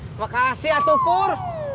wah makasih ya tupur